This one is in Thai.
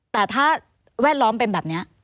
แต่ถ้าแวดล้อมเป็นแบบนี้